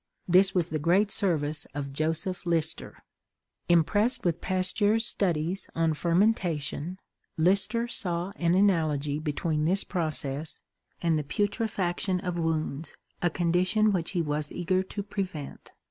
This was the great service of Joseph Lister. Impressed with Pasteur's studies on fermentation, Lister saw an analogy between this process and the putrefaction of wounds, a condition which he was eager to prevent.